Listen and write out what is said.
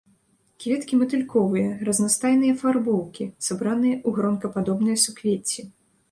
Кветкі матыльковыя, разнастайнай афарбоўкі, сабраныя ў гронкападобныя суквецці.